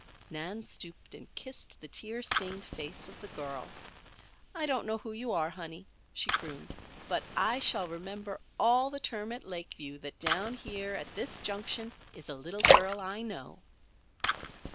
Nan stooped and kissed the tear stained face of the child. "I don't know who you are, honey," she crooned, "but I shall remember all the term at Lakeview that down here at this junction is a little girl I know."